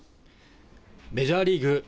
メジャーリーグ